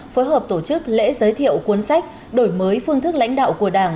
phối hợp tổ chức lễ giới thiệu cuốn sách đổi mới phương thức lãnh đạo của đảng